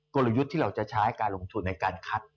กลยุทธ์ที่เราจะใช้การลงทุนในการคัด